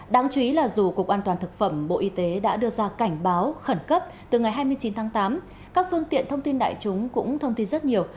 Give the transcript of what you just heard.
đáng chú ý là dù cục an toàn thực phẩm bộ y tế đã đưa ra cảnh báo khẩn cấp từ ngày hai mươi chín tháng tám các phương tiện thông tin đại chúng cũng thông tin rất nhiều